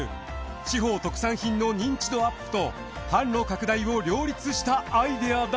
地方特産品の認知度アップと販路拡大を両立したアイデアだ。